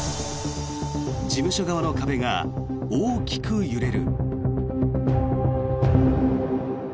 事務所側の壁が大きく揺れる。